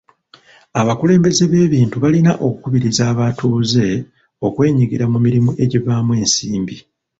Abakulembeze b'ebintu balina okukubiriza abatuuze okwenyigira mu mirimu egivaamu ensimbi.